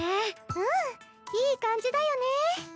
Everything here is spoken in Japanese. うんいい感じだよね。